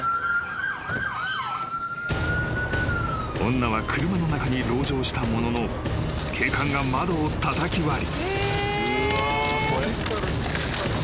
［女は車の中に籠城したものの警官が窓をたたき割り］